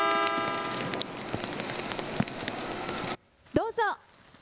どうぞ。